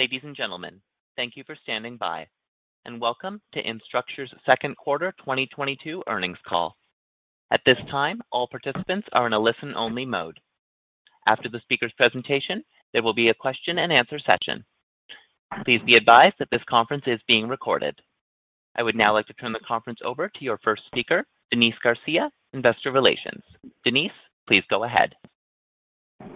Ladies and gentlemen, thank you for standing by and welcome to Instructure's second quarter 2022 earnings call. At this time, all participants are in a listen only mode. After the speaker's presentation, there will be a question and answer session. Please be advised that this conference is being recorded. I would now like to turn the conference over to your first speaker, Denise Garcia, Investor Relations. Denise, please go ahead.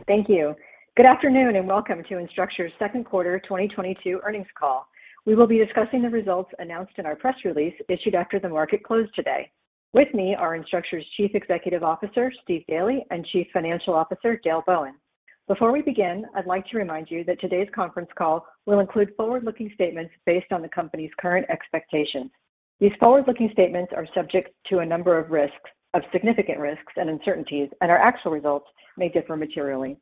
Thank you. Good afternoon, and welcome to Instructure's second quarter 2022 earnings call. We will be discussing the results announced in our press release issued after the market closed today. With me are Instructure's Chief Executive Officer, Steve Daly, and Chief Financial Officer, Dale Bowen. Before we begin, I'd like to remind you that today's conference call will include forward-looking statements based on the company's current expectations. These forward-looking statements are subject to a number of significant risks and uncertainties, and our actual results may differ materially.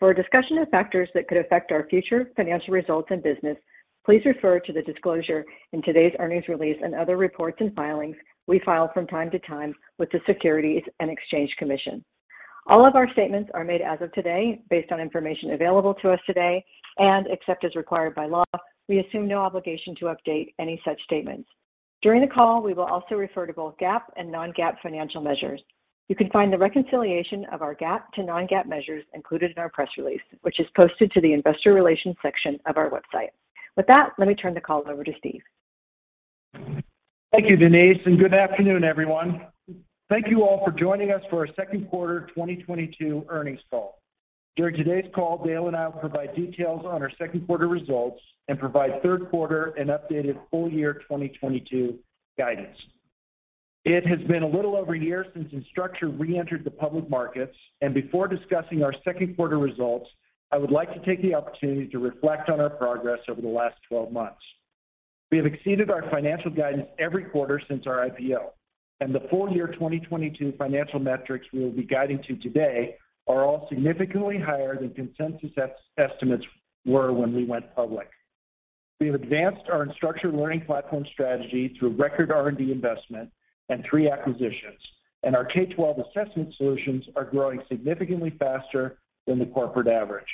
For a discussion of factors that could affect our future financial results and business, please refer to the disclosure in today's earnings release and other reports and filings we file from time to time with the Securities and Exchange Commission. All of our statements are made as of today based on information available to us today, and except as required by law, we assume no obligation to update any such statements. During the call, we will also refer to both GAAP and non-GAAP financial measures. You can find the reconciliation of our GAAP to non-GAAP measures included in our press release, which is posted to the investor relations section of our website. With that, let me turn the call over to Steve. Thank you, Denise, and good afternoon, everyone. Thank you all for joining us for our second quarter 2022 earnings call. During today's call, Dale and I will provide details on our second quarter results and provide third quarter and updated full year 2022 guidance. It has been a little over a year since Instructure reentered the public markets, and before discussing our second quarter results, I would like to take the opportunity to reflect on our progress over the last 12 months. We have exceeded our financial guidance every quarter since our IPO, and the full year 2022 financial metrics we will be guiding to today are all significantly higher than consensus estimates were when we went public. We have advanced our Instructure Learning Platform strategy through record R&D investment and three acquisitions, and our K-12 assessment solutions are growing significantly faster than the corporate average.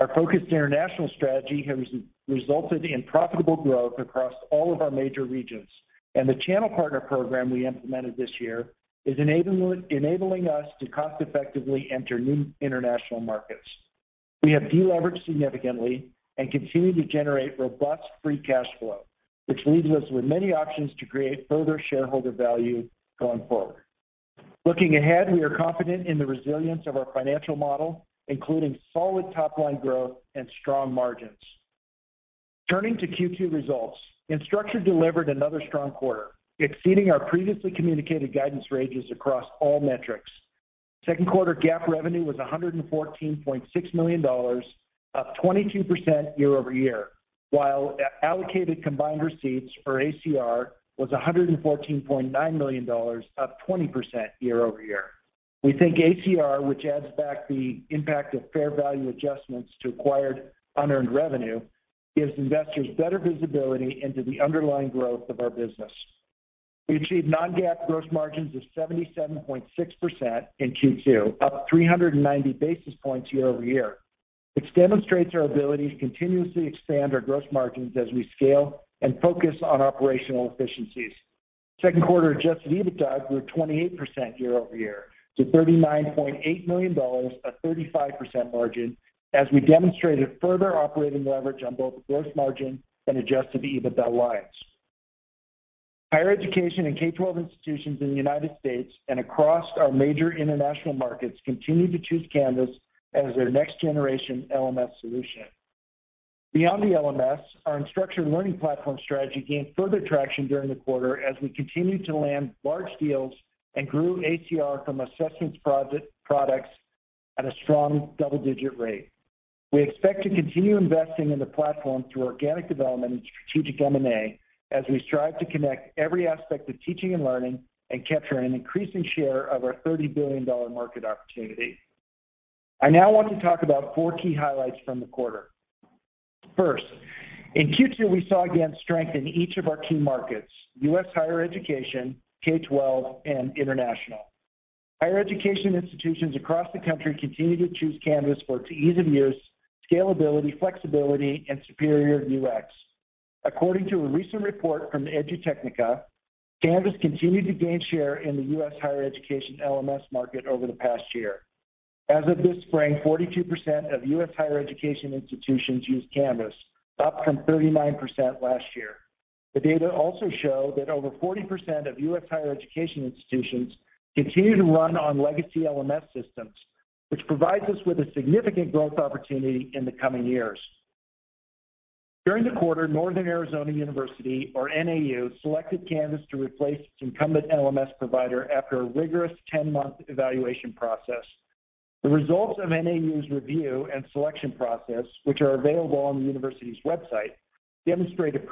Our focused international strategy has resulted in profitable growth across all of our major regions, and the channel partner program we implemented this year is enabling us to cost-effectively enter new international markets. We have deleveraged significantly and continue to generate robust free cash flow, which leaves us with many options to create further shareholder value going forward. Looking ahead, we are confident in the resilience of our financial model, including solid top-line growth and strong margins. Turning to Q2 results, Instructure delivered another strong quarter, exceeding our previously communicated guidance ranges across all metrics. Second quarter GAAP revenue was $114.6 million, up 22% year-over-year, while allocated combined receipts or ACR was $114.9 million, up 20% year-over-year. We think ACR, which adds back the impact of fair value adjustments to acquired unearned revenue, gives investors better visibility into the underlying growth of our business. We achieved non-GAAP gross margins of 77.6% in Q2, up 390 basis points year-over-year, which demonstrates our ability to continuously expand our gross margins as we scale and focus on operational efficiencies. Second quarter adjusted EBITDA grew 28% year-over-year to $39.8 million, a 35% margin, as we demonstrated further operating leverage on both the gross margin and adjusted EBITDA lines. Higher education and K-12 institutions in the United States and across our major international markets continue to choose Canvas as their next generation LMS solution. Beyond the LMS, our Instructure learning platform strategy gained further traction during the quarter as we continued to land large deals and grew ACR from assessments products at a strong double-digit rate. We expect to continue investing in the platform through organic development and strategic M&A as we strive to connect every aspect of teaching and learning and capture an increasing share of our $30 billion market opportunity. I now want to talk about four key highlights from the quarter. First, in Q2, we saw again strength in each of our key markets, U.S. higher education, K-12, and international. Higher education institutions across the country continue to choose Canvas for its ease of use, scalability, flexibility, and superior UX. According to a recent report from Edutechnica, Canvas continued to gain share in the U.S. higher education LMS market over the past year. As of this spring, 42% of U.S. higher education institutions use Canvas, up from 39% last year. The data also show that over 40% of U.S. higher education institutions continue to run on legacy LMS systems, which provides us with a significant growth opportunity in the coming years. During the quarter, Northern Arizona University or NAU selected Canvas to replace its incumbent LMS provider after a rigorous 10-month evaluation process. The results of NAU's review and selection process, which are available on the university's website, demonstrate a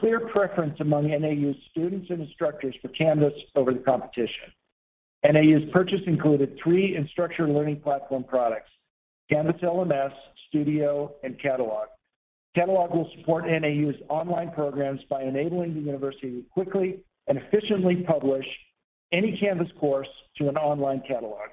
clear preference among NAU students and instructors for Canvas over the competition. NAU's purchase included three Instructure Learning Platform products, Canvas LMS, Canvas Studio, and Canvas Catalog. Catalog will support NAU's online programs by enabling the university to quickly and efficiently publish any Canvas course to an online catalog.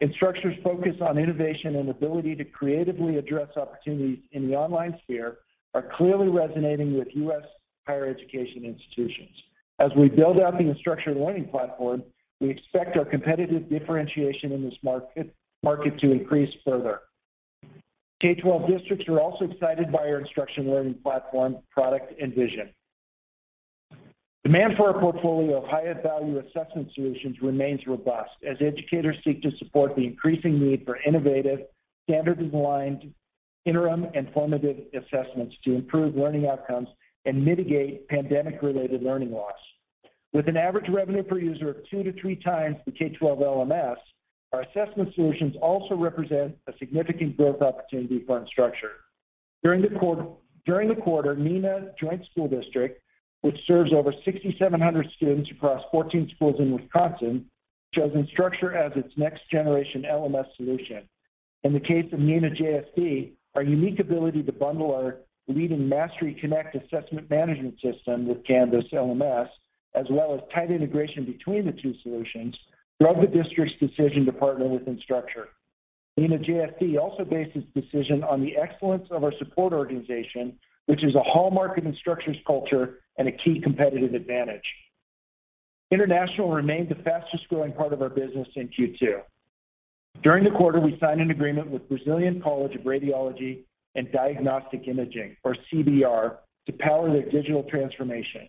Instructure's focus on innovation and ability to creatively address opportunities in the online sphere are clearly resonating with U.S. higher education institutions. As we build out the Instructure Learning Platform, we expect our competitive differentiation in this market to increase further. K-12 districts are also excited by our Instructure Learning Platform product and vision. Demand for our portfolio of higher value assessment solutions remains robust as educators seek to support the increasing need for innovative, standards-aligned interim and formative assessments to improve learning outcomes and mitigate pandemic-related learning loss. With an average revenue per user of 2x-3x the K-12 LMS, our assessment solutions also represent a significant growth opportunity for Instructure. During the quarter, Neenah Joint School District, which serves over 6,700 students across 14 schools in Wisconsin, chose Instructure as its next generation LMS solution. In the case of Neenah JSD, our unique ability to bundle our leading Mastery Connect assessment management system with Canvas LMS, as well as tight integration between the two solutions, drove the district's decision to partner with Instructure. Neenah JSD also based its decision on the excellence of our support organization, which is a hallmark of Instructure's culture and a key competitive advantage. International remained the fastest-growing part of our business in Q2. During the quarter, we signed an agreement with Brazilian College of Radiology and Diagnostic Imaging, or CBR, to power their digital transformation.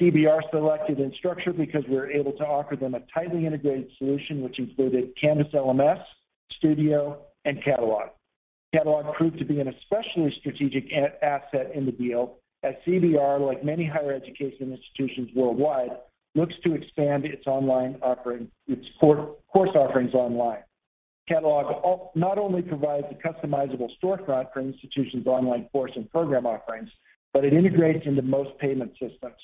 CBR selected Instructure because we were able to offer them a tightly integrated solution which included Canvas LMS, Studio, and Catalog. Catalog proved to be an especially strategic asset in the deal as CBR, like many higher education institutions worldwide, looks to expand its online offering, its course offerings online. Catalog not only provides a customizable storefront for an institution's online course and program offerings, but it integrates into most payment systems.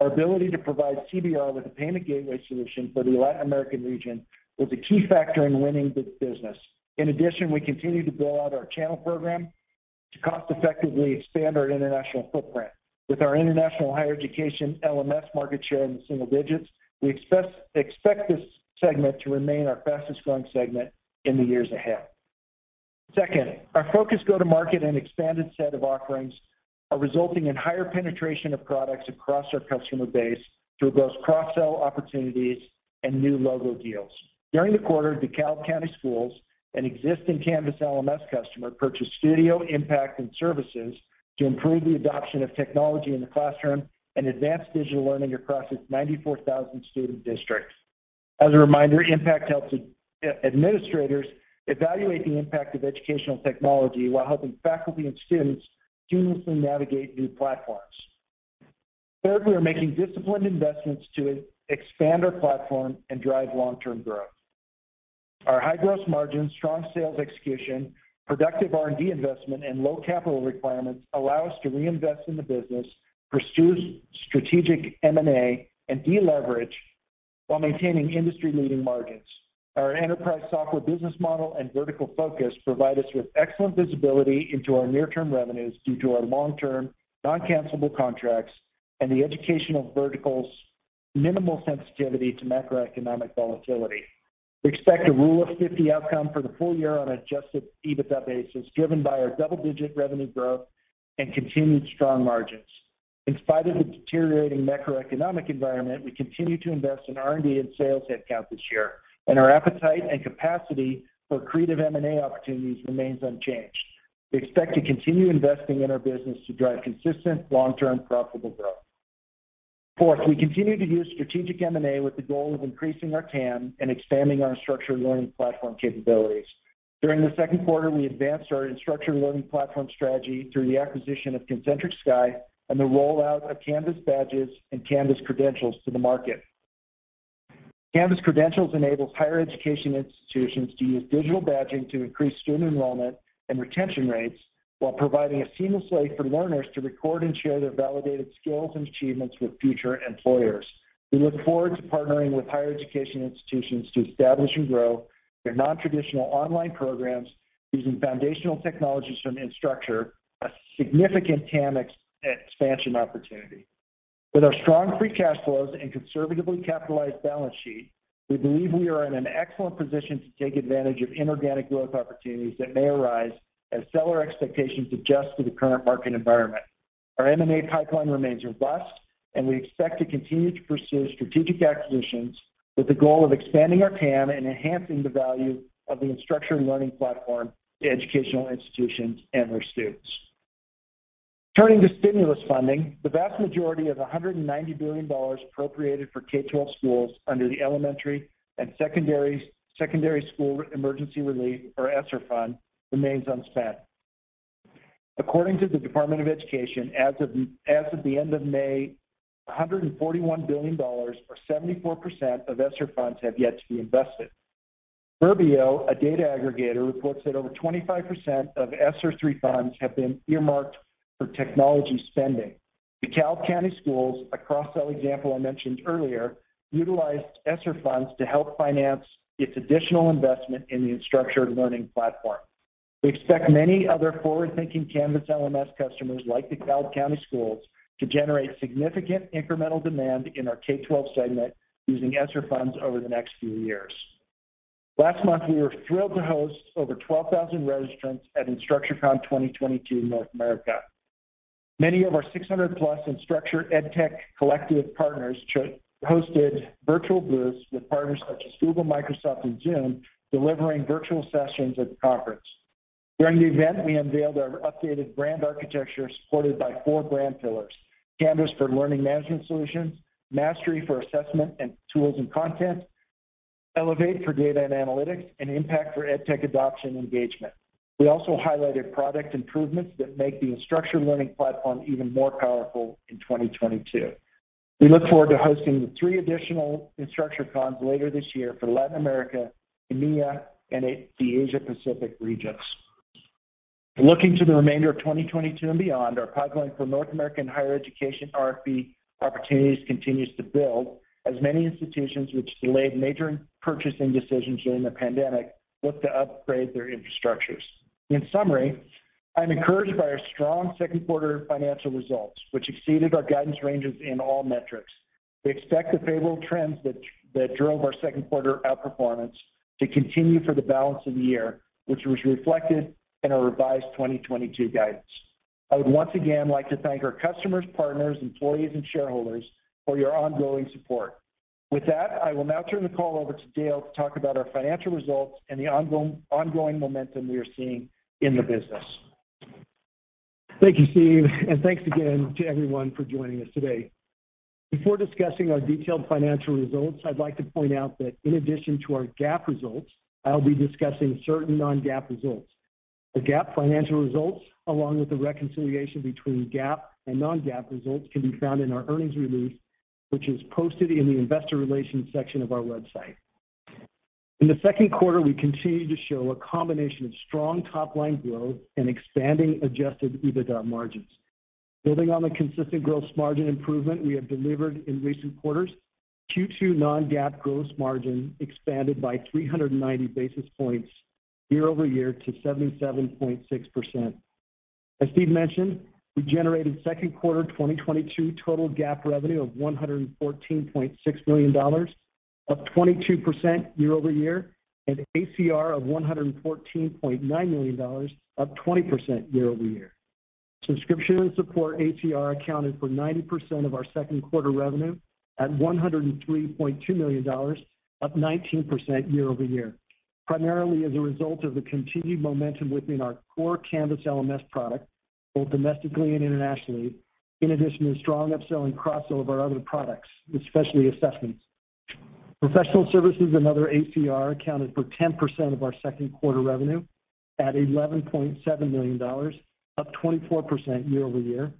Our ability to provide CBR with a payment gateway solution for the Latin American region was a key factor in winning this business. In addition, we continue to build out our channel program to cost-effectively expand our international footprint. With our international higher education LMS market share in the single digits, we expect this segment to remain our fastest-growing segment in the years ahead. Second, our focused go-to-market and expanded set of offerings are resulting in higher penetration of products across our customer base through both cross-sell opportunities and new logo deals. During the quarter, DeKalb County Schools, an existing Canvas LMS customer, purchased Studio, Impact, and Services to improve the adoption of technology in the classroom and advance digital learning across its 94,000-student district. As a reminder, Impact helps administrators evaluate the impact of educational technology while helping faculty and students seamlessly navigate new platforms. Third, we are making disciplined investments to expand our platform and drive long-term growth. Our high gross margins, strong sales execution, productive R&D investment, and low capital requirements allow us to reinvest in the business, pursue strategic M&A, and deleverage while maintaining industry-leading margins. Our enterprise software business model and vertical focus provide us with excellent visibility into our near-term revenues due to our long-term, non-cancelable contracts and the educational vertical's minimal sensitivity to macroeconomic volatility. We expect a Rule of 50 outcome for the full year on Adjusted EBITDA basis, driven by our double-digit revenue growth and continued strong margins. In spite of the deteriorating macroeconomic environment, we continue to invest in R&D and sales headcount this year, and our appetite and capacity for accretive M&A opportunities remains unchanged. We expect to continue investing in our business to drive consistent, long-term, profitable growth. Fourth, we continue to use strategic M&A with the goal of increasing our TAM and expanding our Instructure Learning Platform capabilities. During the second quarter, we advanced our Instructure Learning Platform strategy through the acquisition of Concentric Sky and the rollout of Canvas Badges and Canvas Credentials to the market. Canvas Credentials enables higher education institutions to use digital badging to increase student enrollment and retention rates while providing a seamless way for learners to record and share their validated skills and achievements with future employers. We look forward to partnering with higher education institutions to establish and grow their non-traditional online programs using foundational technologies from Instructure, a significant TAM expansion opportunity. With our strong free cash flows and conservatively capitalized balance sheet, we believe we are in an excellent position to take advantage of inorganic growth opportunities that may arise as seller expectations adjust to the current market environment. Our M&A pipeline remains robust, and we expect to continue to pursue strategic acquisitions with the goal of expanding our TAM and enhancing the value of the Instructure learning platform to educational institutions and their students. Turning to stimulus funding, the vast majority of $190 billion appropriated for K-12 schools under the Elementary and Secondary School Emergency Relief, or ESSER, fund remains unspent. According to the Department of Education, as of the end of May, $141 billion, or 74% of ESSER funds, have yet to be invested. Burbio, a data aggregator, reports that over 25% of ESSER three funds have been earmarked for technology spending. DeKalb County Schools, a cross-sell example I mentioned earlier, utilized ESSER funds to help finance its additional investment in the Instructure Learning Platform. We expect many other forward-thinking Canvas LMS customers like DeKalb County Schools to generate significant incremental demand in our K-12 segment using ESSER funds over the next few years. Last month, we were thrilled to host over 12,000 registrants at InstructureCon 2022 North America. Many of our 600+ Instructure EdTech Collective partners hosted virtual booths with partners such as Google, Microsoft, and Zoom, delivering virtual sessions at the conference. During the event, we unveiled our updated brand architecture supported by four brand pillars, Canvas for learning management solutions, Mastery for assessment and tools and content, Elevate for data and analytics, and Impact for EdTech adoption engagement. We also highlighted product improvements that make the Instructure Learning Platform even more powerful in 2022. We look forward to hosting the three additional InstructureCons later this year for Latin America, EMEA, and the Asia Pacific regions. Looking to the remainder of 2022 and beyond, our pipeline for North American higher education RFP opportunities continues to build as many institutions which delayed major purchasing decisions during the pandemic look to upgrade their infrastructures. In summary, I'm encouraged by our strong second quarter financial results, which exceeded our guidance ranges in all metrics. We expect the favorable trends that drove our second quarter outperformance to continue for the balance of the year, which was reflected in our revised 2022 guidance. I would once again like to thank our customers, partners, employees, and shareholders for your ongoing support. With that, I will now turn the call over to Dale to talk about our financial results and the ongoing momentum we are seeing in the business. Thank you, Steve, and thanks again to everyone for joining us today. Before discussing our detailed financial results, I'd like to point out that in addition to our GAAP results, I'll be discussing certain non-GAAP results. The GAAP financial results, along with the reconciliation between GAAP and non-GAAP results, can be found in our earnings release, which is posted in the investor relations section of our website. In the second quarter, we continued to show a combination of strong top-line growth and expanding adjusted EBITDA margins. Building on the consistent gross margin improvement we have delivered in recent quarters, Q2 non-GAAP gross margin expanded by 390 basis points year-over-year to 77.6%. As Steve mentioned, we generated second quarter 2022 total GAAP revenue of $114.6 million, up 22% year-over-year, and ACR of $114.9 million, up 20% year-over-year. Subscription and support ACR accounted for 90% of our second quarter revenue at $103.2 million, up 19% year-over-year, primarily as a result of the continued momentum within our core Canvas LMS product, both domestically and internationally, in addition to strong upselling across our other products, especially assessments. Professional services and other ACR accounted for 10% of our second quarter revenue at $11.7 million, up 24% year-over-year,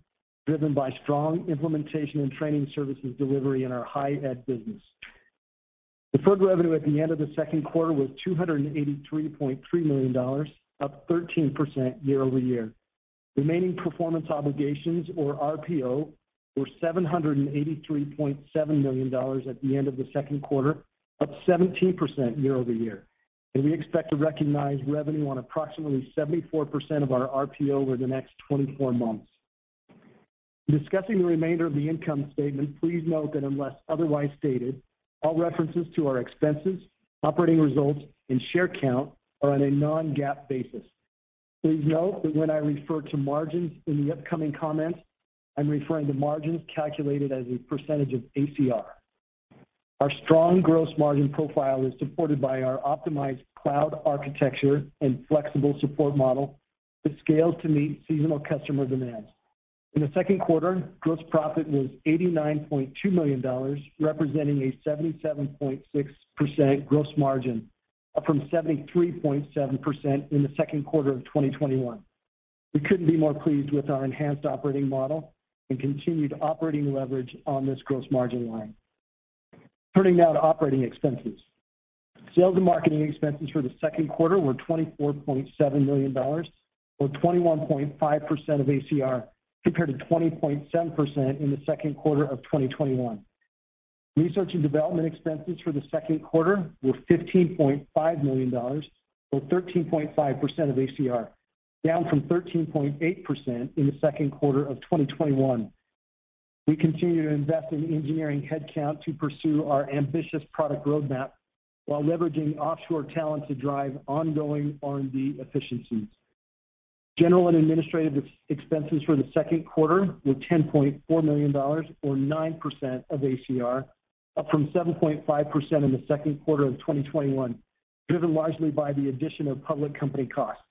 driven by strong implementation and training services delivery in our higher ed business. Deferred revenue at the end of the second quarter was $283.3 million, up 13% year-over-year. Remaining performance obligations or RPO were $783.7 million at the end of the second quarter, up 17% year-over-year, and we expect to recognize revenue on approximately 74% of our RPO over the next 24 months. Discussing the remainder of the income statement, please note that unless otherwise stated, all references to our expenses, operating results, and share count are on a non-GAAP basis. Please note that when I refer to margins in the upcoming comments, I'm referring to margins calculated as a percentage of ACR. Our strong gross margin profile is supported by our optimized cloud architecture and flexible support model that scales to meet seasonal customer demands. In the second quarter, gross profit was $89.2 million, representing a 77.6% gross margin, up from 73.7% in the second quarter of 2021. We couldn't be more pleased with our enhanced operating model and continued operating leverage on this gross margin line. Turning now to operating expenses. Sales and marketing expenses for the second quarter were $24.7 million or 21.5% of ACR, compared to 20.7% in the second quarter of 2021. Research and development expenses for the second quarter were $15.5 million or 13.5% of ACR, down from 13.8% in the second quarter of 2021. We continue to invest in engineering headcount to pursue our ambitious product roadmap while leveraging offshore talent to drive ongoing R&D efficiencies. General and administrative expenses for the second quarter were $10.4 million or 9% of ACR, up from 7.5% in the second quarter of 2021, driven largely by the addition of public company costs.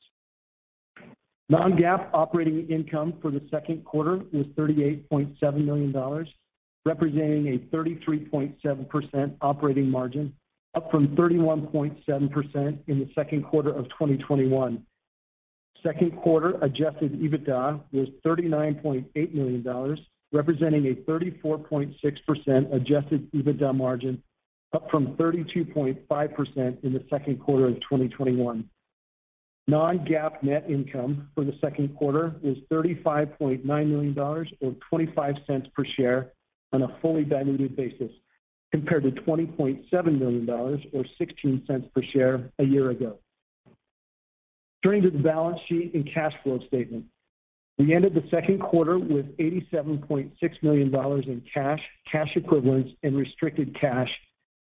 Non-GAAP operating income for the second quarter was $38.7 million, representing a 33.7% operating margin, up from 31.7% in the second quarter of 2021. Second quarter adjusted EBITDA was $39.8 million, representing a 34.6% adjusted EBITDA margin, up from 32.5% in the second quarter of 2021. Non-GAAP net income for the second quarter was $35.9 million or $0.25 per share on a fully diluted basis. Compared to $20.7 million or $0.16 per share a year ago. Turning to the balance sheet and cash flow statement. We ended the second quarter with $87.6 million in cash equivalents and restricted cash,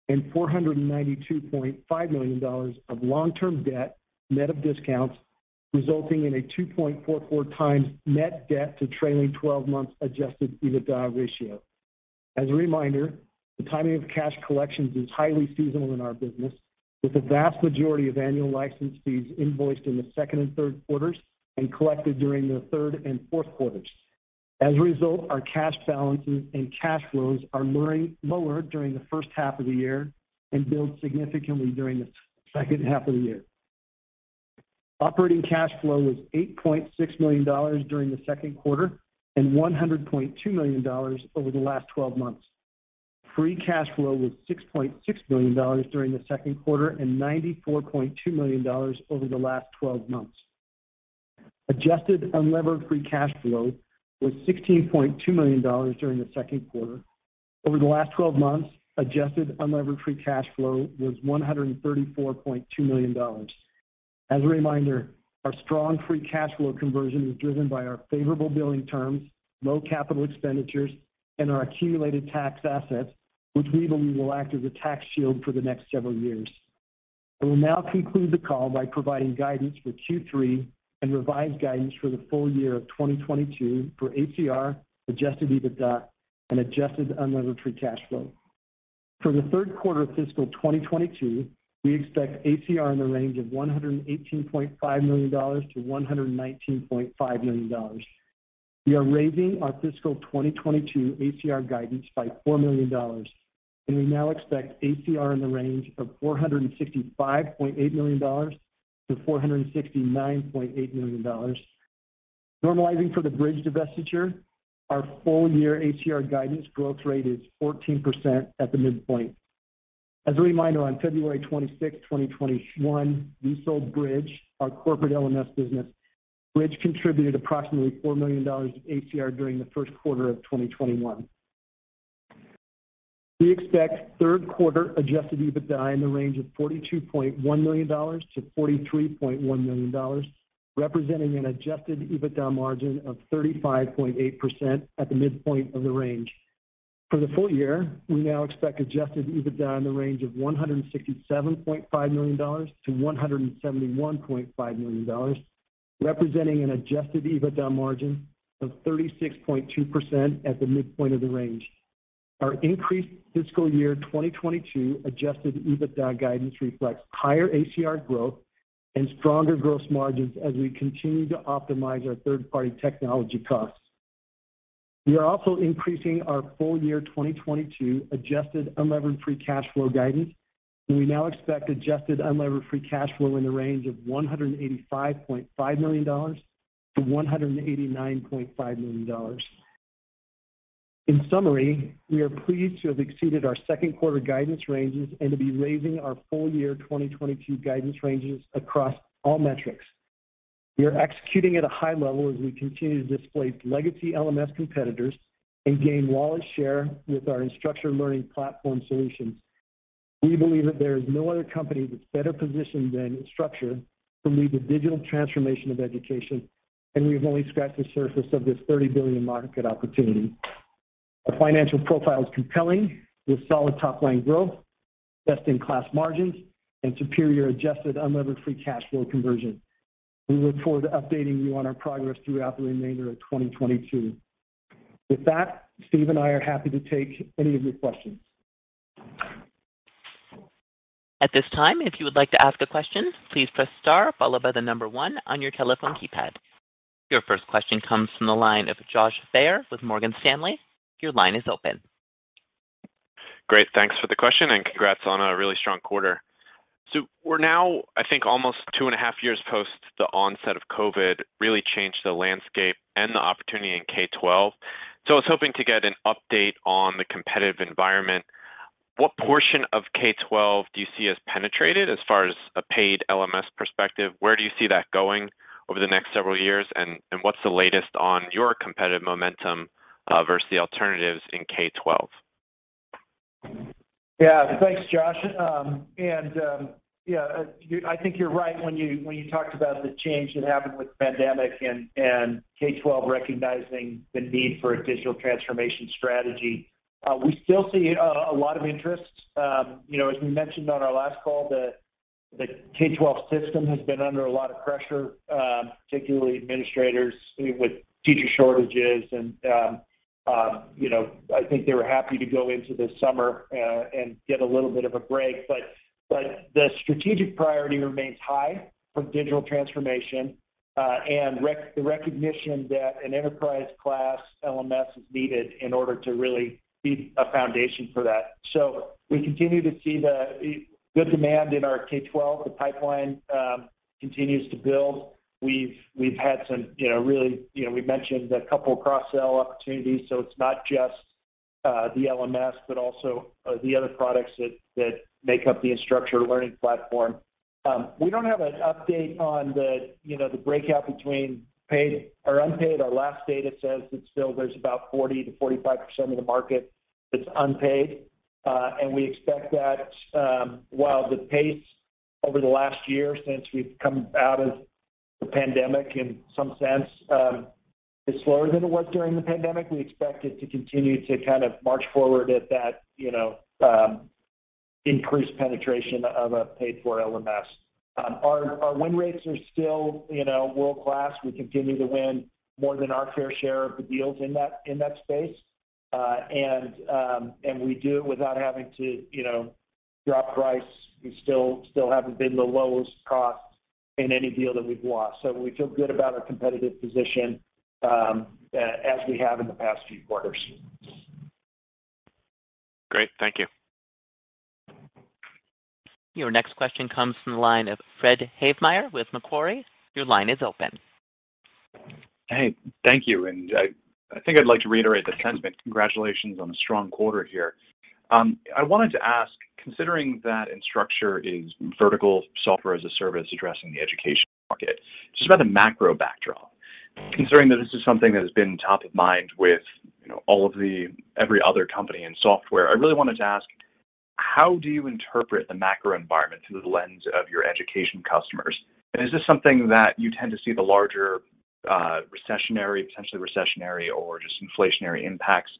and $492.5 million of long-term debt net of discounts, resulting in a 2.44x net debt to trailing 12 months Adjusted EBITDA ratio. As a reminder, the timing of cash collections is highly seasonal in our business, with the vast majority of annual license fees invoiced in the second and third quarters and collected during the third and fourth quarters. As a result, our cash balances and cash flows are mirroring lower during the first half of the year and build significantly during the second half of the year. Operating cash flow was $8.6 million during the second quarter and $100.2 million over the last 12 months. Free cash flow was $6.6 million during the second quarter and $94.2 million over the last 12 months. Adjusted unlevered free cash flow was $16.2 million during the second quarter. Over the last 12 months, adjusted unlevered free cash flow was $134.2 million. As a reminder, our strong free cash flow conversion is driven by our favorable billing terms, low capital expenditures, and our accumulated tax assets, which we believe will act as a tax shield for the next several years. I will now conclude the call by providing guidance for Q3 and revised guidance for the full year of 2022 for ACR, adjusted EBITDA, and adjusted unlevered free cash flow. For the third quarter of fiscal 2022, we expect ACR in the range of $118.5 million-$119.5 million. We are raising our fiscal 2022 ACR guidance by $4 million, and we now expect ACR in the range of $465.8 million-$469.8 million. Normalizing for the Bridge divestiture, our full year ACR guidance growth rate is 14% at the midpoint. As a reminder, on February 26, 2021, we sold Bridge, our corporate LMS business. Bridge contributed approximately $4 million of ACR during the first quarter of 2021. We expect third quarter adjusted EBITDA in the range of $42.1 million-$43.1 million, representing an adjusted EBITDA margin of 35.8% at the midpoint of the range. For the full year, we now expect adjusted EBITDA in the range of $167.5 million-$171.5 million, representing an adjusted EBITDA margin of 36.2% at the midpoint of the range. Our increased fiscal year 2022 adjusted EBITDA guidance reflects higher ACR growth and stronger gross margins as we continue to optimize our third-party technology costs. We are also increasing our full year 2022 adjusted unlevered free cash flow guidance, and we now expect adjusted unlevered free cash flow in the range of $185.5 million-$189.5 million. In summary, we are pleased to have exceeded our second quarter guidance ranges and to be raising our full year 2022 guidance ranges across all metrics. We are executing at a high level as we continue to displace legacy LMS competitors and gain wallet share with our Instructure learning platform solutions. We believe that there is no other company that's better positioned than Instructure to lead the digital transformation of education, and we've only scratched the surface of this $30 billion market opportunity. Our financial profile is compelling with solid top-line growth, best-in-class margins, and superior adjusted unlevered free cash flow conversion. We look forward to updating you on our progress throughout the remainder of 2022. With that, Steve and I are happy to take any of your questions. At this time, if you would like to ask a question, please press star followed by the number one on your telephone keypad. Your first question comes from the line of Josh Baer with Morgan Stanley. Your line is open. Great. Thanks for the question and congrats on a really strong quarter. We're now, I think, almost two and a half years post the onset of COVID really changed the landscape and the opportunity in K-12. I was hoping to get an update on the competitive environment. What portion of K-12 do you see as penetrated as far as a paid LMS perspective? Where do you see that going over the next several years? What's the latest on your competitive momentum versus the alternatives in K-12? Yeah. Thanks, Josh. I think you're right when you talked about the change that happened with the pandemic and K-12 recognizing the need for a digital transformation strategy. We still see a lot of interest. You know, as we mentioned on our last call, the K-12 system has been under a lot of pressure, particularly administrators with teacher shortages and you know, I think they were happy to go into this summer and get a little bit of a break. The strategic priority remains high for digital transformation and the recognition that an enterprise-class LMS is needed in order to really be a foundation for that. We continue to see the good demand in our K-12. The pipeline continues to build. We've had some, you know, really, you know, we mentioned a couple of cross-sell opportunities. It's not just the LMS, but also the other products that make up the Instructure Learning Platform. We don't have an update on the, you know, the breakout between paid or unpaid. Our last data says that still there's about 40%-45% of the market that's unpaid. We expect that, while the pace over the last year since we've come out of the pandemic in some sense, is slower than it was during the pandemic, we expect it to continue to kind of march forward at that, you know, increased penetration of a paid for LMS. Our win rates are still, you know, world-class. We continue to win more than our fair share of the deals in that space. We do it without having to, you know, drop price. We still haven't been the lowest cost in any deal that we've lost. We feel good about our competitive position, as we have in the past few quarters. Great. Thank you. Your next question comes from the line of Fred Havemeyer with Macquarie. Your line is open. Hey, thank you. I think I'd like to reiterate that sentiment. Congratulations on a strong quarter here. I wanted to ask, considering that Instructure is vertical software as a service addressing the education market, just about the macro backdrop. Considering that this is something that has been top of mind with, you know, every other company in software, I really wanted to ask, how do you interpret the macro environment through the lens of your education customers? Is this something that you tend to see the larger, recessionary, potentially recessionary or just inflationary impacts,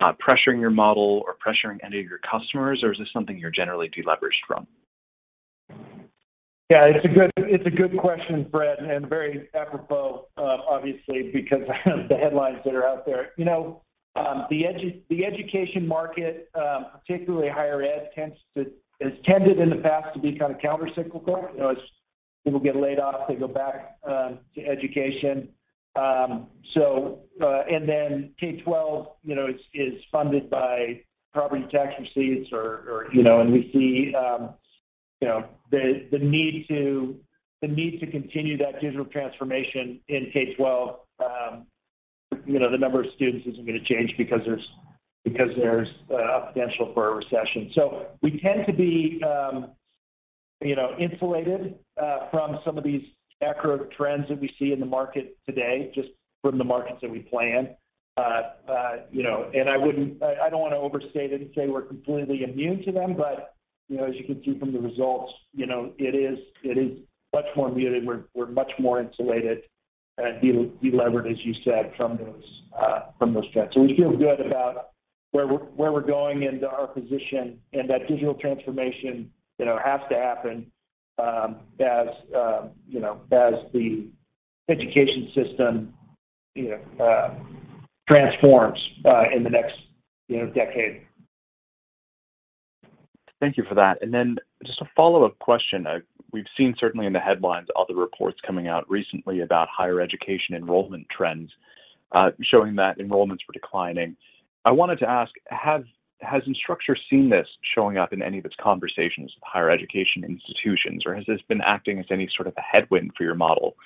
pressuring your model or pressuring any of your customers? Is this something you're generally deleveraged from? Yeah, it's a good question, Fred, and very apropos, obviously, because of the headlines that are out there. You know, the education market, particularly higher ed, has tended in the past to be countercyclical. You know, as people get laid off, they go back to education. K-12, you know, is funded by property tax receipts or, you know, and we see the need to continue that digital transformation in K-12. You know, the number of students isn't gonna change because there's a potential for a recession. We tend to be, you know, insulated from some of these macro trends that we see in the market today, just from the markets that we play in. You know, I wouldn't overstate it and say we're completely immune to them, but you know, as you can see from the results, you know, it is much more immune and we're much more insulated and delevered, as you said, from those trends. We feel good about where we're going into our position and that digital transformation, you know, has to happen, as you know, as the education system, you know, transforms in the next, you know, decade. Thank you for that. Just a follow-up question. We've seen certainly in the headlines, other reports coming out recently about higher education enrollment trends, showing that enrollments were declining. I wanted to ask, has Instructure seen this showing up in any of its conversations with higher education institutions, or has this been acting as any sort of a headwind for your model,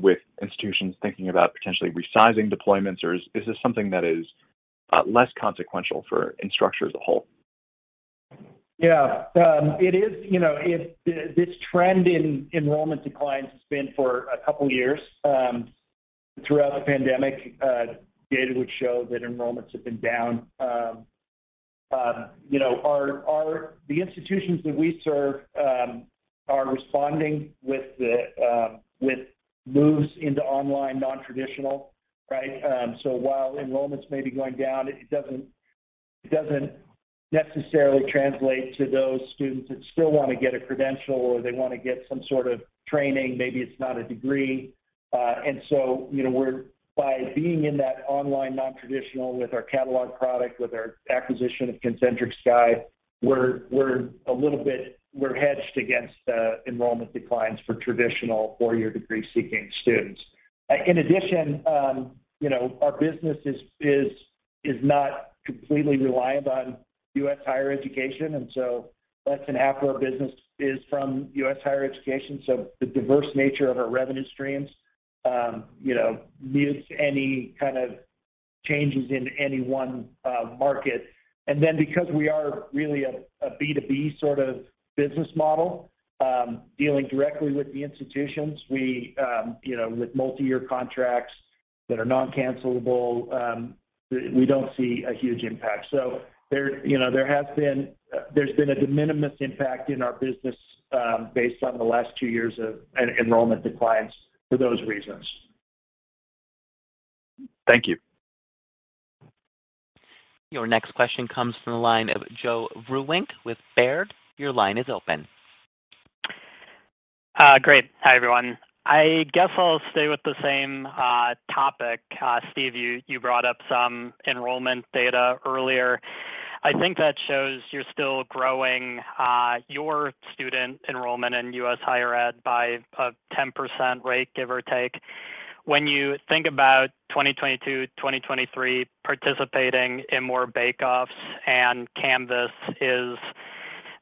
with institutions thinking about potentially resizing deployments, or is this something that is less consequential for Instructure as a whole? Yeah. It is, you know, this trend in enrollment declines has been for a couple of years. Throughout the pandemic, data would show that enrollments have been down. You know, the institutions that we serve are responding with moves into online, non-traditional, right? So while enrollments may be going down, it doesn't necessarily translate to those students that still wanna get a credential or they wanna get some sort of training. Maybe it's not a degree. You know, by being in that online, non-traditional with our catalog product, with our acquisition of Concentric Sky, we're a little bit hedged against enrollment declines for traditional four-year degree-seeking students. In addition, you know, our business is not completely reliant on U.S. higher education, and less than half of our business is from U.S. higher education. The diverse nature of our revenue streams, you know, mutes any kind of changes in any one market. Then because we are really a B2B sort of business model, dealing directly with the institutions, you know, with multi-year contracts that are non-cancellable, we don't see a huge impact. You know, there's been a de minimis impact in our business, based on the last two years of enrollment declines for those reasons. Thank you. Your next question comes from the line of Joe Vruwink with Baird. Your line is open. Great. Hi, everyone. I guess I'll stay with the same topic. Steve, you brought up some enrollment data earlier. I think that shows you're still growing your student enrollment in U.S. higher ed by a 10% rate, give or take. When you think about 2022, 2023 participating in more bake-offs and Canvas is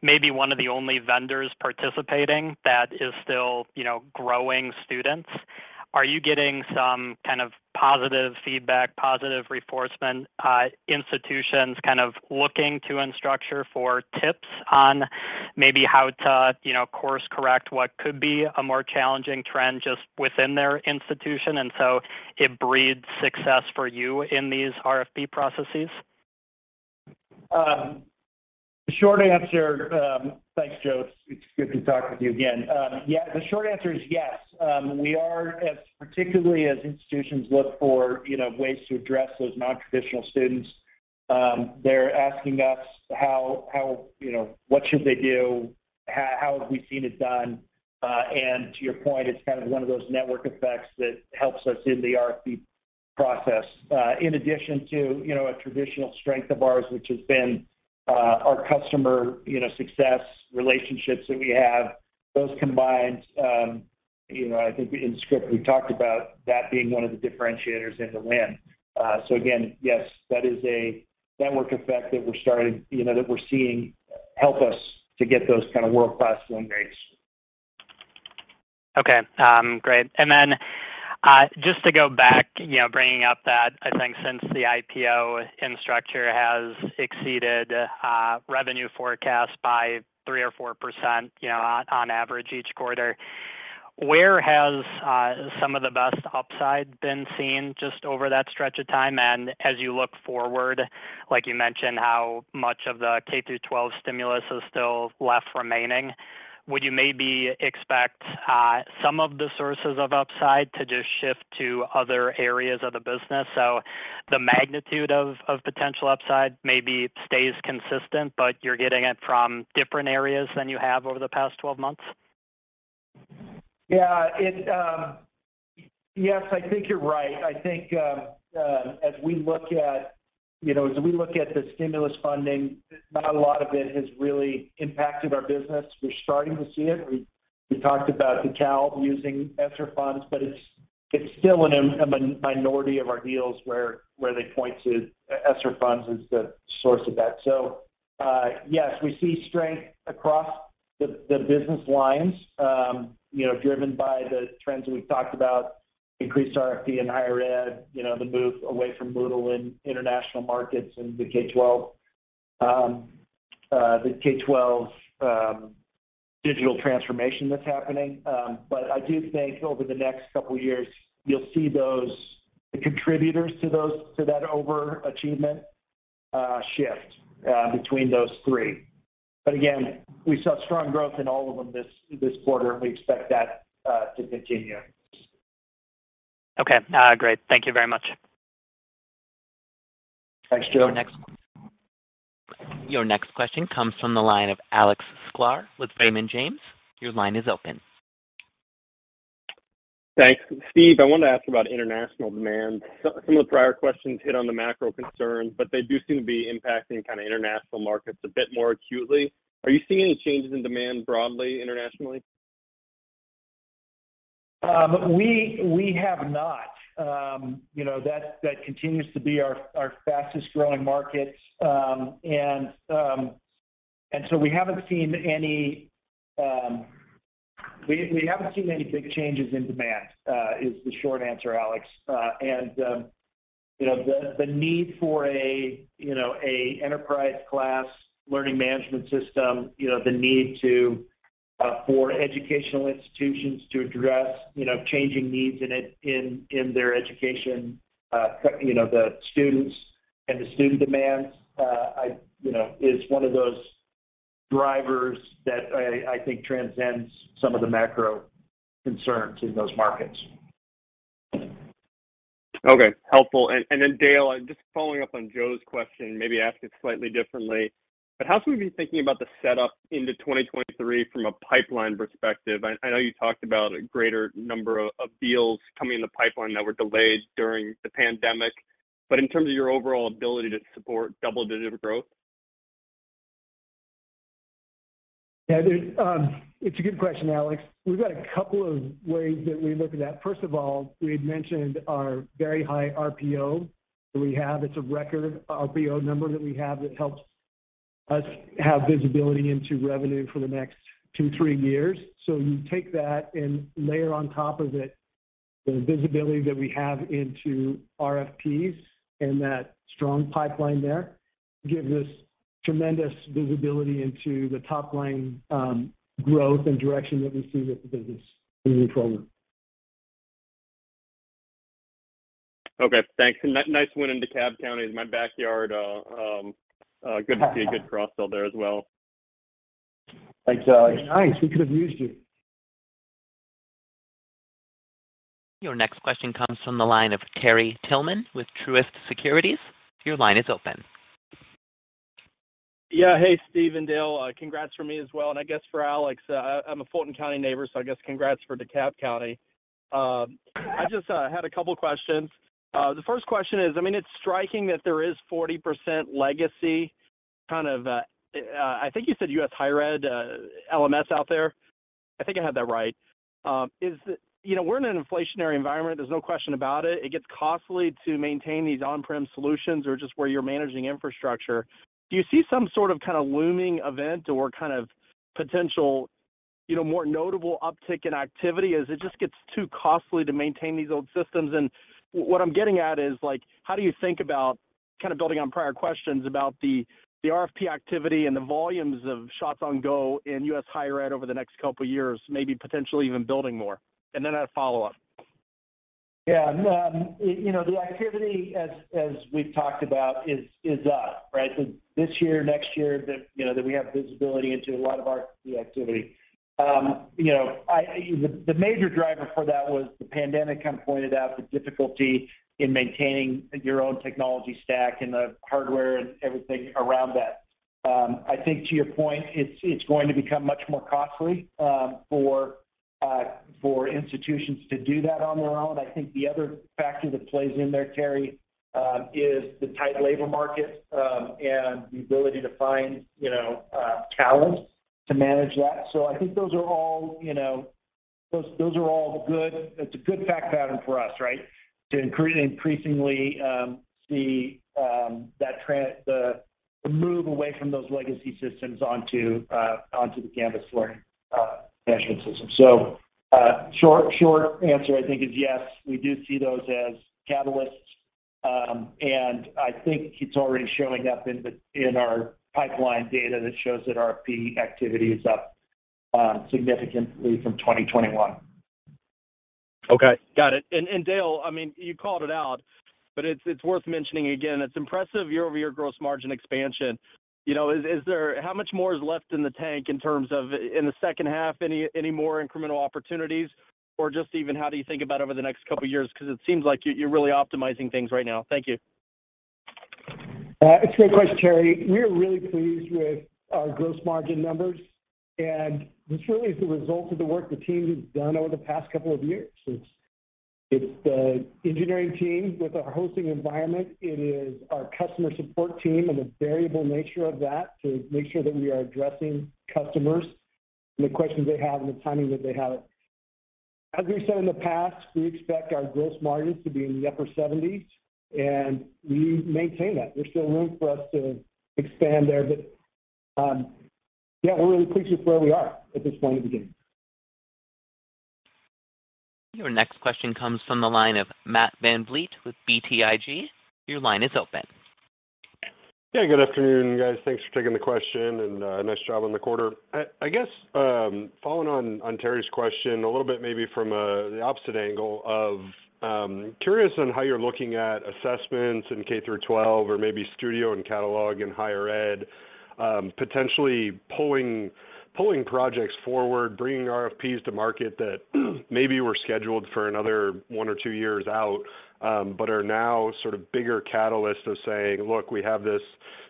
maybe one of the only vendors participating that is still, you know, growing students. Are you getting some kind of positive feedback, positive reinforcement, institutions kind of looking to Instructure for tips on maybe how to, you know, course correct what could be a more challenging trend just within their institution, and so it breeds success for you in these RFP processes? The short answer. Thanks, Joe. It's good to talk with you again. Yeah, the short answer is yes. We are, particularly as institutions look for, you know, ways to address those non-traditional students, they're asking us how, you know, what should they do, how have we seen it done? To your point, it's kind of one of those network effects that helps us in the RFP process. In addition to, you know, a traditional strength of ours which has been, our customer, you know, success relationships that we have, those combined, you know, I think Instructure, we talked about that being one of the differentiators in the win. Again, yes, that is a network effect that we're starting, you know, that we're seeing help us to get those kind of world-class win rates. Okay. Great. Just to go back, you know, bringing up that I think since the IPO Instructure has exceeded revenue forecast by 3% or 4%, you know, on average each quarter, where has some of the best upside been seen just over that stretch of time? As you look forward, like you mentioned how much of the K-12 stimulus is still left remaining, would you maybe expect some of the sources of upside to just shift to other areas of the business? The magnitude of potential upside maybe stays consistent, but you're getting it from different areas than you have over the past 12 months? Yes, I think you're right. I think as we look at the stimulus funding, not a lot of it has really impacted our business. We're starting to see it. We talked about DeKalb using ESSER funds, but it's still in a minority of our deals where they point to ESSER funds as the source of that. Yes, we see strength across the business lines, you know, driven by the trends that we've talked about, increased RFP and higher ed, you know, the move away from Moodle in international markets and the K-12's digital transformation that's happening. I do think over the next couple years you'll see the contributors to that overachievement shift between those three. Again, we saw strong growth in all of them this quarter. We expect that to continue. Okay. Great. Thank you very much. Thanks, Joe. Your next question comes from the line of Alex Sklar with Raymond James. Your line is open. Thanks. Steve, I wanted to ask about international demand. Some of the prior questions hit on the macro concerns, but they do seem to be impacting kind of international markets a bit more acutely. Are you seeing any changes in demand broadly internationally? We have not. You know, that continues to be our fastest-growing market. We haven't seen any big changes in demand is the short answer, Alex. You know, the need for a enterprise class learning management system, you know, the need for educational institutions to address, you know, changing needs in their education, you know, the students and the student demands, you know, is one of those drivers that I think transcends some of the macro concerns in those markets. Okay. Helpful. Then Dale, just following up on Joe's question, maybe ask it slightly differently, but how should we be thinking about the setup into 2023 from a pipeline perspective? I know you talked about a greater number of deals coming in the pipeline that were delayed during the pandemic, but in terms of your overall ability to support double-digit growth. Yeah. It's a good question, Alex. We've got a couple of ways that we look at that. First of all, we had mentioned our very high RPO that we have. It's a record RPO number that we have that helps us have visibility into revenue for the next two, three years. You take that and layer on top of it the visibility that we have into RFPs and that strong pipeline there give this tremendous visibility into the top line growth and direction that we see with the business moving forward. Okay. Thanks. Nice win in DeKalb County. It's my backyard. Good to see a good cross-sell there as well. Thanks, Alex. Nice. We could have used you. Your next question comes from the line of Terry Tillman with Truist Securities. Your line is open. Yeah. Hey, Steve and Dale. Congrats from me as well, and I guess for Alex. I'm a Fulton County neighbor, so I guess congrats for DeKalb County. I just had a couple questions. The first question is, I mean, it's striking that there is 40% legacy kind of, I think you said U.S. higher ed, LMS out there. I think I have that right. You know, we're in an inflationary environment, there's no question about it. It gets costly to maintain these on-prem solutions or just where you're managing infrastructure. Do you see some sort of kind of looming event or kind of potential. You know, more notable uptick in activity as it just gets too costly to maintain these old systems. What I'm getting at is, like, how do you think about, kind of building on prior questions, about the RFP activity and the volumes of shots on goal in U.S. higher ed over the next couple of years, maybe potentially even building more? Then I have follow-up. Yeah. You know, the activity as we've talked about is up, right? This year, next year we have visibility into a lot of our key activity. The major driver for that was the pandemic kind of pointed out the difficulty in maintaining your own technology stack and the hardware and everything around that. I think to your point, it's going to become much more costly for institutions to do that on their own. I think the other factor that plays in there, Terry, is the tight labor market and the ability to find talent to manage that. I think those are all, you know, it's a good fact pattern for us, right? Increasingly see that the move away from those legacy systems onto the Canvas learning management system. Short answer I think is yes, we do see those as catalysts. I think it's already showing up in our pipeline data that shows that RP activity is up significantly from 2021. Okay, got it. Dale, I mean, you called it out, but it's worth mentioning again. It's impressive year-over-year gross margin expansion. You know, is there how much more is left in the tank in terms of the second half, any more incremental opportunities? Or just even how do you think about over the next couple of years, because it seems like you're really optimizing things right now. Thank you. It's a great question, Terry. We're really pleased with our gross margin numbers, and this really is the result of the work the team has done over the past couple of years. It's the engineering team with our hosting environment. It is our customer support team and the variable nature of that to make sure that we are addressing customers and the questions they have and the timing that they have it. As we've said in the past, we expect our gross margins to be in the upper 70s%, and we maintain that. There's still room for us to expand there. Yeah, we're really pleased with where we are at this point in the game. Your next question comes from the line of Matt VanVliet with BTIG. Your line is open. Yeah, good afternoon, guys. Thanks for taking the question, and nice job on the quarter. I guess, following on Terry's question a little bit maybe from the opposite angle of curious on how you're looking at assessments in K through 12 or maybe Studio and Catalog in higher ed, potentially pulling projects forward, bringing RFPs to market that maybe were scheduled for another one or two years out, but are now sort of bigger catalysts of saying, "Look, we have this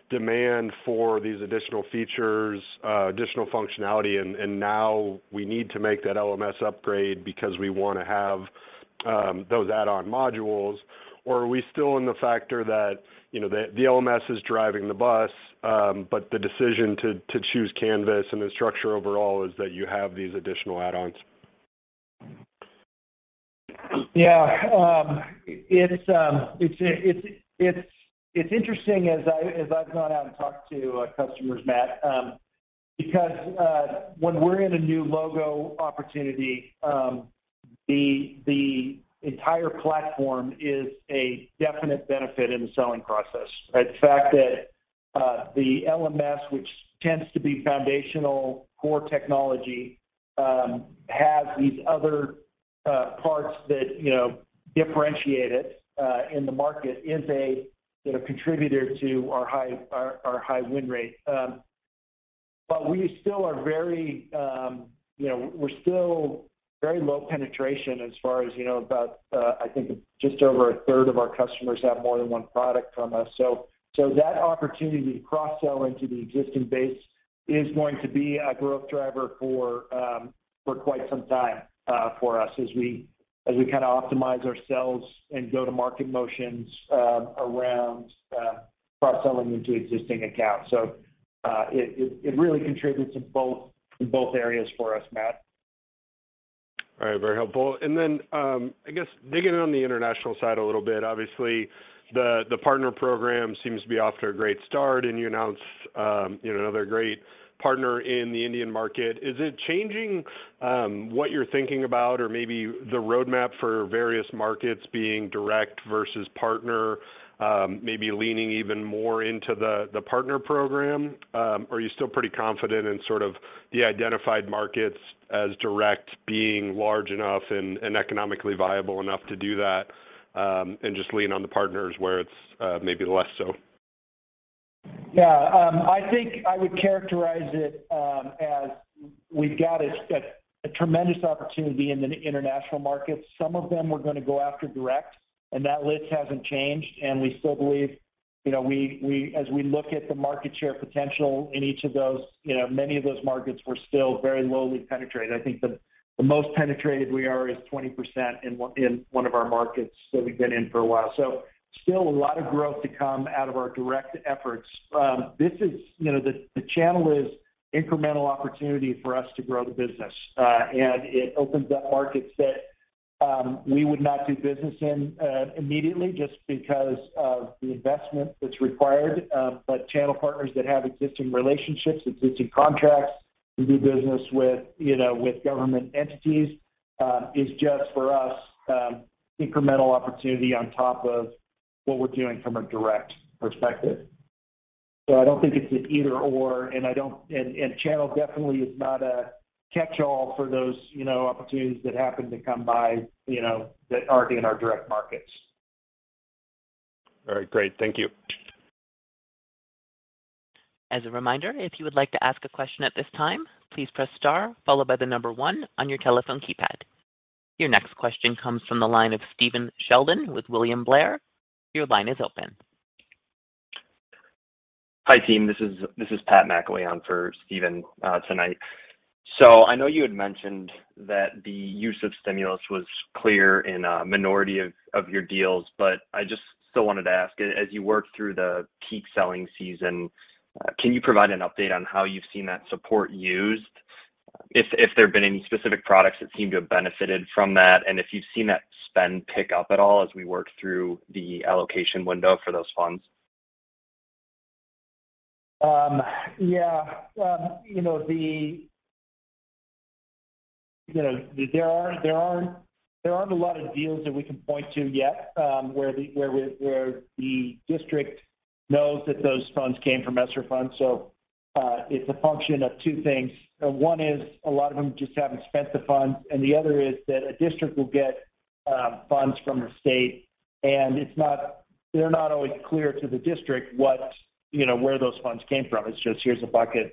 demand for these additional features, additional functionality, and now we need to make that LMS upgrade because we wanna have those add-on modules." Or are we still in the picture that, you know, the LMS is driving the bus, but the decision to choose Canvas and Instructure overall is that you have these additional add-ons? It's interesting as I've gone out and talked to customers, Matt, because when we're in a new logo opportunity, the entire platform is a definite benefit in the selling process, right? The fact that the LMS, which tends to be foundational core technology, has these other parts that, you know, differentiate it in the market is a sort of contributor to our high win rate. We still are very, you know, we're still very low penetration as far as, you know, about, I think it's just over 1/3 of our customers have more than one product from us. That opportunity to cross-sell into the existing base is going to be a growth driver for quite some time for us as we kinda optimize ourselves and go-to-market motions around cross-selling into existing accounts. It really contributes in both areas for us, Matt. All right, very helpful. I guess digging on the international side a little bit, obviously the partner program seems to be off to a great start, and you announced, you know, another great partner in the Indian market. Is it changing what you're thinking about or maybe the roadmap for various markets being direct versus partner, maybe leaning even more into the partner program? Are you still pretty confident in sort of the identified markets as direct being large enough and economically viable enough to do that, and just lean on the partners where it's maybe less so? Yeah. I think I would characterize it as we've got a tremendous opportunity in the international markets. Some of them we're gonna go after direct, and that list hasn't changed, and we still believe, you know, we as we look at the market share potential in each of those, you know, many of those markets, we're still very lowly penetrated. I think the most penetrated we are is 20% in in one of our markets that we've been in for a while. So still a lot of growth to come out of our direct efforts. This is, you know, the channel is incremental opportunity for us to grow the business, and it opens up markets that we would not do business in immediately just because of the investment that's required. Channel partners that have existing relationships, existing contracts to do business with, you know, with government entities is just for us incremental opportunity on top of what we're doing from a direct perspective. I don't think it's an either/or, and channel definitely is not a catch-all for those, you know, opportunities that happen to come by, you know, that aren't in our direct markets. All right, great. Thank you. As a reminder, if you would like to ask a question at this time, please press star followed by the number one on your telephone keypad. Your next question comes from the line of Stephen Sheldon with William Blair. Your line is open. Hi, team. This is Pat McIlwee for Stephen tonight. I know you had mentioned that the use of stimulus was clear in a minority of your deals, but I just still wanted to ask. As you work through the peak selling season, can you provide an update on how you've seen that support used? If there have been any specific products that seem to have benefited from that, and if you've seen that spend pick up at all as we work through the allocation window for those funds? Yeah. You know, there aren't a lot of deals that we can point to yet, where the district knows that those funds came from ESSER funds. It's a function of two things. One is a lot of them just haven't spent the funds, and the other is that a district will get funds from the state, and they're not always clear to the district what, you know, where those funds came from. It's just, "Here's a bucket for you to spend."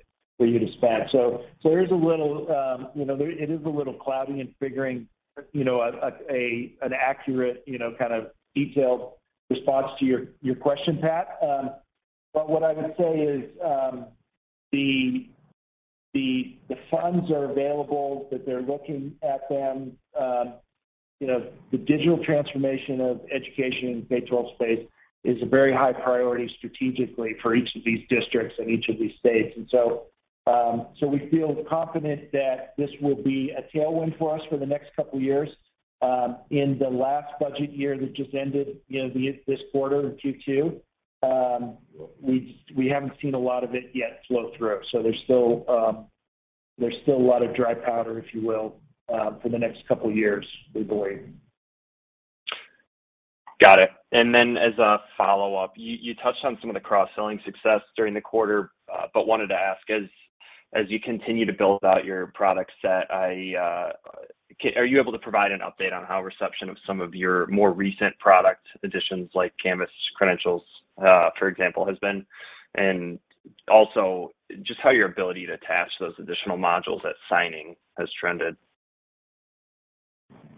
So there's a little, you know, it is a little cloudy in figuring, you know, an accurate, you know, kind of detailed response to your question, Pat. What I would say is, the funds are available, that they're looking at them. You know, the digital transformation of education in K-12 space is a very high priority strategically for each of these districts in each of these states. We feel confident that this will be a tailwind for us for the next couple years. In the last budget year that just ended, you know, this quarter in Q2, we haven't seen a lot of it yet flow through. There's still a lot of dry powder, if you will, for the next couple years, we believe. Got it. As a follow-up, you touched on some of the cross-selling success during the quarter, but wanted to ask, as you continue to build out your product set. Are you able to provide an update on how reception of some of your more recent product additions, like Canvas Credentials, for example, has been? Also just how your ability to attach those additional modules at signing has trended.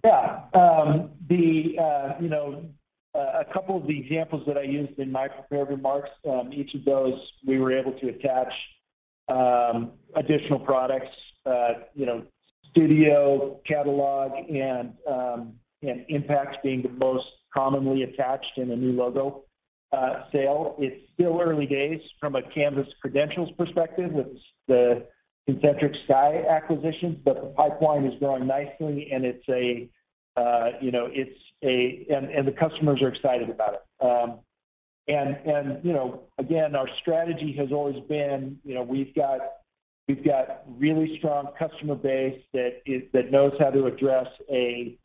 Yeah. You know, a couple of the examples that I used in my prepared remarks, each of those we were able to attach additional products, you know, Canvas Studio, Canvas Catalog and Impact being the most commonly attached in a new logo sale. It's still early days from a Canvas Credentials perspective with the Concentric Sky acquisition, but the pipeline is growing nicely, and the customers are excited about it. You know, again, our strategy has always been, you know, we've got really strong customer base that knows how to address a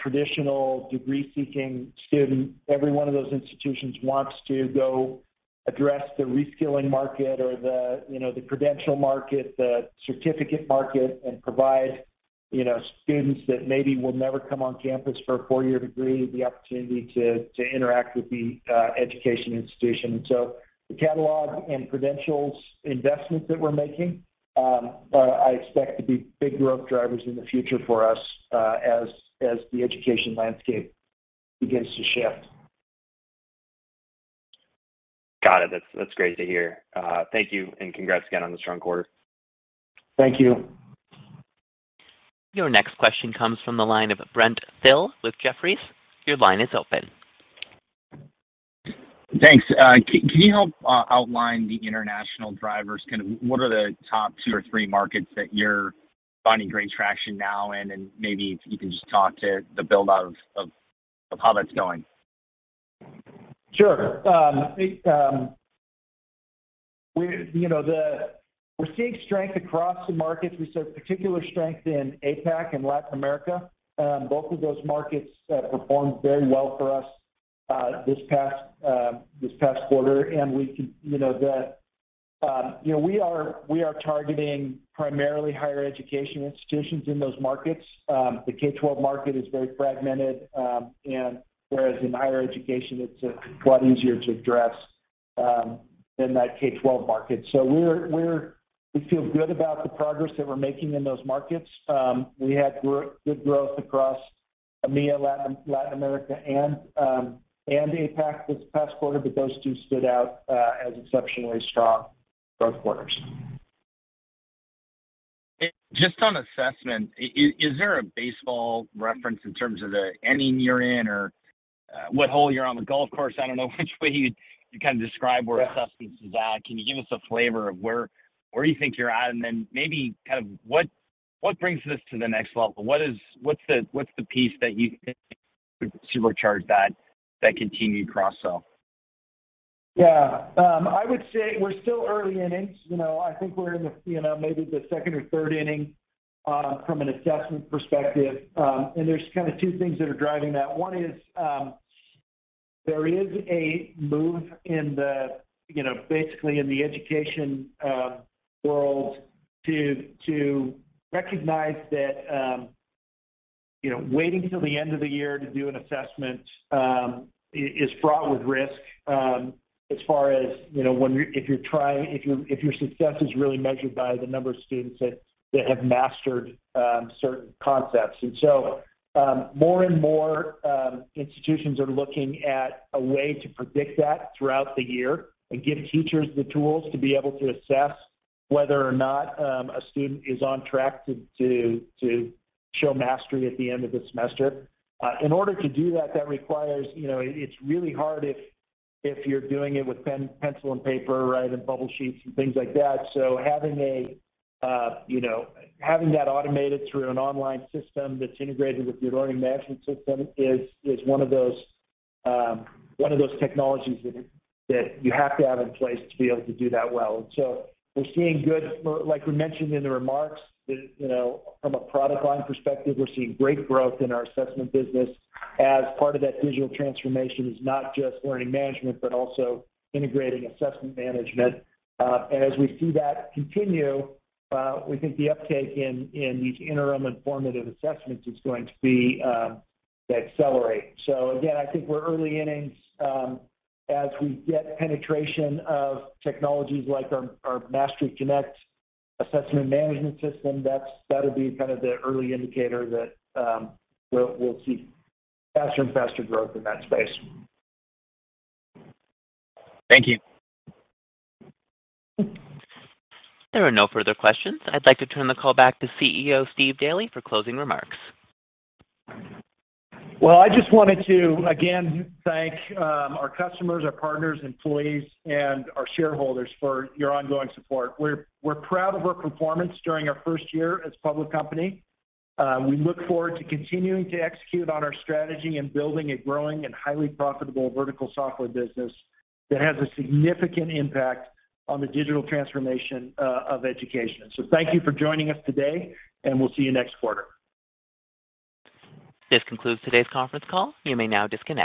traditional degree-seeking student. Every one of those institutions wants to go address the reskilling market or the, you know, the credential market, the certificate market, and provide, you know, students that maybe will never come on campus for a four-year degree the opportunity to interact with the education institution. The Catalog and Credentials investments that we're making, I expect to be big growth drivers in the future for us, as the education landscape begins to shift. Got it. That's great to hear. Thank you, and congrats again on the strong quarter. Thank you. Your next question comes from the line of Brent Thill with Jefferies. Your line is open. Thanks. Can you help outline the international drivers? Kind of what are the top two or three markets that you're finding great traction now in? Maybe if you can just talk to the build out of how that's going. Sure. I think you know, we're seeing strength across the markets. We saw particular strength in APAC and Latin America. Both of those markets performed very well for us this past quarter. We can, you know... You know, we are targeting primarily higher education institutions in those markets. The K-12 market is very fragmented, and whereas in higher education it's a lot easier to address than that K-12 market. We feel good about the progress that we're making in those markets. We had good growth across EMEA, Latin America and APAC this past quarter, but those two stood out as exceptionally strong growth quarters. Just on assessment, is there a baseball reference in terms of the inning you're in or what hole you're on the golf course? I don't know which way you kind of describe where assessment is at. Can you give us a flavor of where you think you're at? Then maybe kind of what brings this to the next level? What's the piece that you think supercharge that continued cross-sell? Yeah. I would say we're still early innings. You know, I think we're in the, you know, maybe the second or third inning, from an assessment perspective. There's kinda two things that are driving that. One is, there is a move in the, you know, basically in the education, world to recognize that, you know, waiting till the end of the year to do an assessment, is fraught with risk, as far as, you know, if you're trying, if your success is really measured by the number of students that have mastered, certain concepts. More and more, institutions are looking at a way to predict that throughout the year and give teachers the tools to be able to assess whether or not a student is on track to show mastery at the end of the semester. In order to do that requires, you know. It's really hard if you're doing it with pen, pencil, and paper, right, and bubble sheets, and things like that. Having a, you know, having that automated through an online system that's integrated with your learning management system is one of those technologies that you have to have in place to be able to do that well. We're seeing good, like we mentioned in the remarks that, you know, from a product line perspective, we're seeing great growth in our assessment business as part of that digital transformation is not just learning management, but also integrating assessment management. As we see that continue, we think the uptake in these interim and formative assessments is going to be to accelerate. Again, I think we're early innings. As we get penetration of technologies like our Mastery Connect assessment management system, that'll be kind of the early indicator that we'll see faster and faster growth in that space. Thank you. There are no further questions. I'd like to turn the call back to CEO Steve Daly for closing remarks. Well, I just wanted to again thank our customers, our partners, employees, and our shareholders for your ongoing support. We're proud of our performance during our first year as a public company. We look forward to continuing to execute on our strategy and building a growing and highly profitable vertical software business that has a significant impact on the digital transformation of education. Thank you for joining us today, and we'll see you next quarter. This concludes today's conference call. You may now disconnect.